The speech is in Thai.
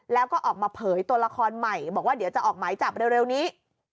แล้วก็ออกมาเผยตัวละครใหม่บอกว่าเดี๋ยวจะออกหมายจับเร็วนี้